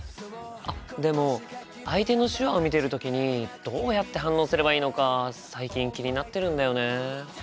あっでも相手の手話を見てる時にどうやって反応すればいいのか最近気になってるんだよね。